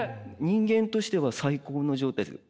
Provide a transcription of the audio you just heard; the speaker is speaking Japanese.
人間としては最高の状態です。